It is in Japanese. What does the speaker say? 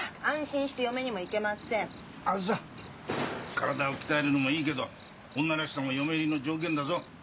体を鍛えるのもいいけど女らしさも嫁入りの条件だぞ。